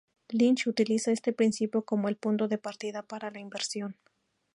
Lynch utiliza este principio como el punto de partida para la inversión.